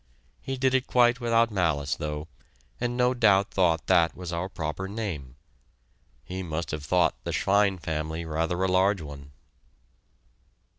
He did it quite without malice, though, and no doubt thought that was our proper name. He must have thought the "Schwein" family rather a large one!